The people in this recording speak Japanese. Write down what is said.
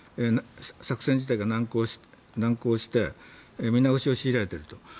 作戦自体が難航して見直しを強いられていると。